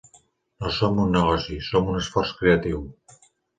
No som un negoci, som un esforç creatiu.